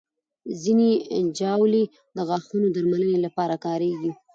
ځینې ژاولې د غاښونو درملنې لپاره کارېږي.